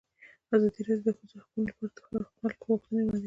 ازادي راډیو د د ښځو حقونه لپاره د خلکو غوښتنې وړاندې کړي.